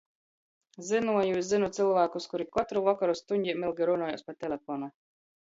Zynuoju i zynu cylvākus, kuri kotru vokoru stuņdem ilgi runojās pa teleponu.